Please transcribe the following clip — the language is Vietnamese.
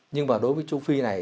nhưng mà đối với trung phi này